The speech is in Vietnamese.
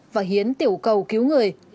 và hiến tiểu cầu cứu người